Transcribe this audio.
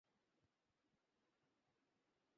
কী করতে পারি?